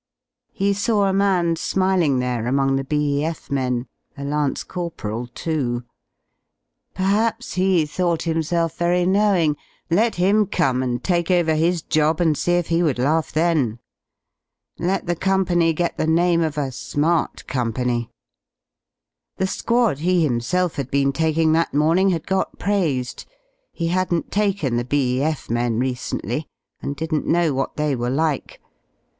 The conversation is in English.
He saw a man smiling there among the B.E.F. men — a lance corporal, too. Perhaps he thought himself very knowing: let him come and take over his job and see if he would laugh then. Let the Company get the name of a smart Company. The squad he himself had been taking that morning had got praised; he hadn^t taken the B.E.F. men recently, and didn^t know what they ivere like.